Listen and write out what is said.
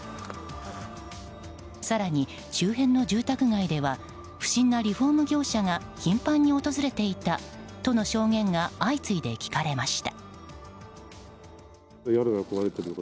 更に周辺の住宅街では不審なリフォーム業者が頻繁に訪れていたとの証言が相次いで聞かれました。